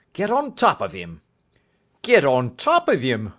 Get on top of him.' 'Get on top of him?